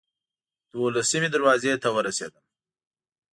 دولسمې دروازې ته ورسېدم.